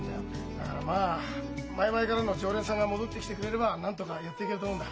だからまあ前々からの常連さんが戻ってきてくれればなんとかやっていけると思うんだ。